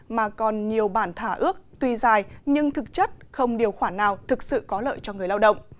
mà còn nhiều bản thỏa ước tuy dài nhưng thực chất không điều khoản nào thực sự có lợi cho người lao động